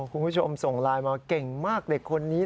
คุณผู้ชมส่งไลน์มาเก่งมากเด็กคนนี้